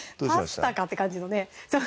パスタかって感じのね